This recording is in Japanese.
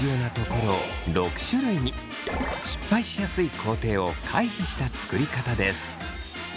失敗しやすい工程を回避した作り方です。